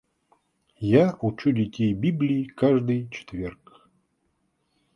Я учу детей Библии каждый четверг.